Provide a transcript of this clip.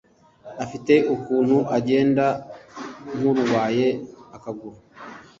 Afite ukuntu agenda nkurwaye akaguru